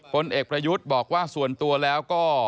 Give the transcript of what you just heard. ผลเอกประยุทธ์บอกว่าส่วนตัวแล้วก็